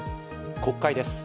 国会です。